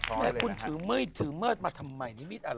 แต่คุณถือเมื่อยถือเมื่อมาทำไมมิดอะไร